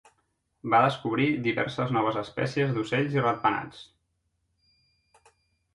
Va descobrir diverses noves espècies d'ocells i ratpenats.